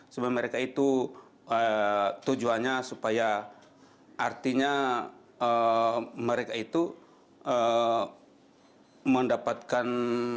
sebenarnya mereka itu tujuannya supaya artinya mereka itu mendapatkan